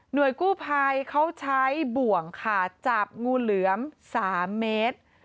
โดยกู้ภัยเขาใช้บ่วงค่ะจับงูเหลือม๓เมตร